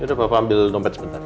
ya udah papa ambil nomat sebentar ya